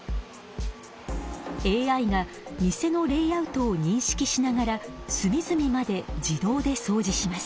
ＡＩが店のレイアウトを認識しながらすみずみまで自動でそうじします。